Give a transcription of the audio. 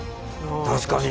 確かに。